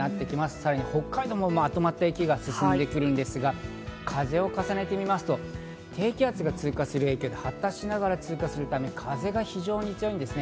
さらに北海道もまとまった雪が進んでくるんですが、風を重ねてみますと、低気圧が発達する影響で風が非常に強いんですね。